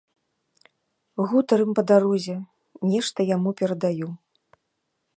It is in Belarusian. Гутарым па дарозе, нешта яму перадаю.